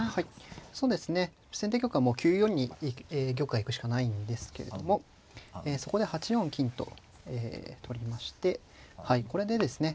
先手玉はもう９四に玉が行くしかないんですけれどもそこで８四金と取りましてこれでですね